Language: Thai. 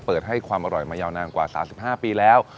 เปิดให้ความอร่อยมายาวนานกว่า๓๕ปีแล้ว